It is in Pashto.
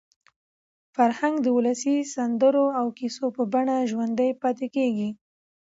فرهنګ د ولسي سندرو او کیسو په بڼه ژوندي پاتې کېږي.